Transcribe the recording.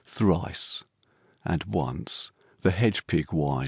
Thrice, and once the hedge pig whin'd.